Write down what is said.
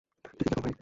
Ticket দেখাও ভাই।